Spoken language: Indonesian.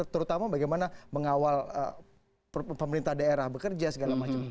terutama bagaimana mengawal pemerintah daerah bekerja segala macam